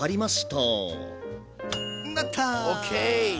鳴った！ＯＫ！